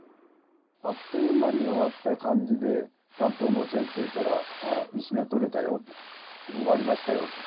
あっという間に終わった感じで担当の先生から「石が取れたよ」と「終わりましたよ」と。